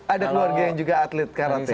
ada keluarga yang juga atlet karantina